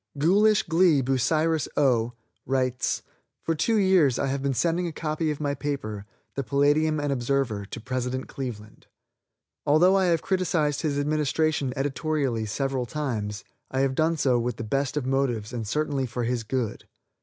"Ghoulish Glee," Bucyrus, O., writes: "For two years I have been sending a copy of my paper, the 'Palladium and Observer' to President Cleveland. Although I have criticised his administration editorially several times, I have done so with the best of motives and certainly for his good.